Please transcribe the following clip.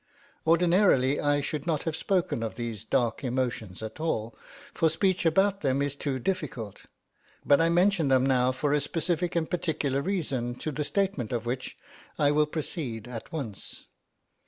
Ordinarily, I should not have spoken of these dark emotions at all, for speech about them is too difficult; but I mention them now for a specific and particular reason to the statement of which I will proceed at once.